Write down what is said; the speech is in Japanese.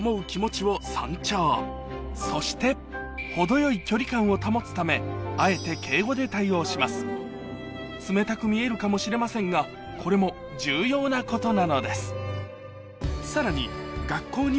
あくまでそしてを保つためあえて敬語で対応します冷たく見えるかもしれませんがこれも重要なことなのですさらに